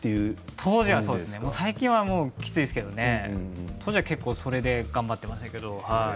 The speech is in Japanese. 当時はですね最近はきついですけど当時はそれで頑張っていました。